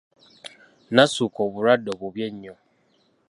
Nassuuka obulwadde obubi ennyo .